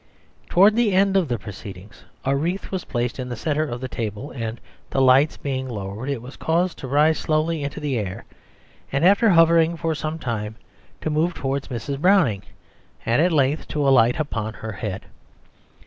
Towards the end of the proceedings a wreath was placed in the centre of the table, and the lights being lowered, it was caused to rise slowly into the air, and after hovering for some time, to move towards Mrs. Browning, and at length to alight upon her head.